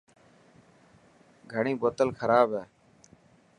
گھڻي بوتل کراب هي.